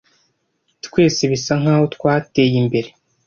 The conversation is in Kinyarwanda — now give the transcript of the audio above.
Twese bisa nkaho twa teye imbere